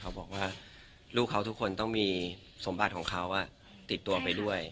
บอกว่าลูกเขาทุกคนต้องมีสมบัติของเขาติดตัวไปด้วย